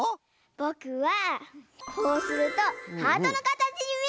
ぼくはこうするとハートのかたちにみえた！